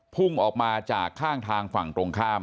พุ่งออกมาจากข้างทางฝั่งตรงข้าม